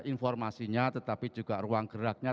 informasinya tetapi juga ruang geraknya